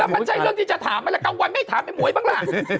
แล้วมันใช่เรื่องที่จะถามอะไรก้อนวันไม่ถามไอ้หมวยบ้างล่ะ